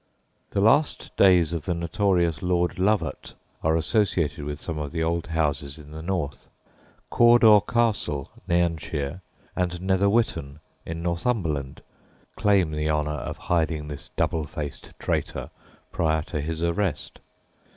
The last days of the notorious Lord Lovat are associated with some of the old houses in the north. Cawdor Castle, Nairnshire, and Netherwhitton, in Northumberland, claim the honour of hiding this double faced traitor prior to his arrest.